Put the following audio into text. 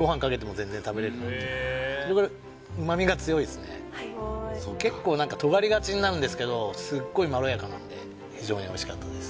それぐらい結構何か尖りがちになるんですけどすっごいまろやかなんで非常においしかったです